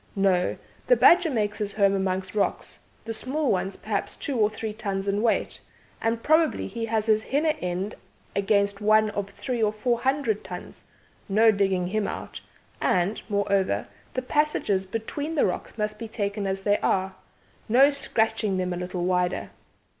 No; the badger makes his home amongst rocks, the small ones perhaps two or three tons in weight, and probably he has his 'hinner end' against one of three or four hundred tons no digging him out and, moreover, the passages between the rocks must be taken as they are; no scratching them a little wider.